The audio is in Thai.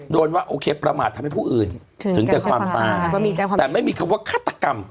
โดนว่าโอเคประมาททำให้ผู้อื่นถึงแก่ความตายแต่ไม่มีคำว่าฆาตกรรม